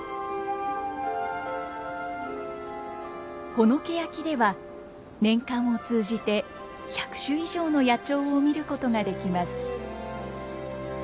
このケヤキでは年間を通じて１００種以上の野鳥を見ることができます。